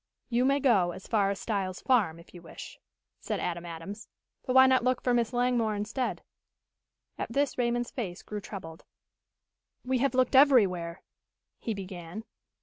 "You may go as far as Styles' farm, if you wish," said Adam Adams. "But why not look for Miss Langmore instead?" At this Raymond's face grew troubled. "We have looked everywhere " he began.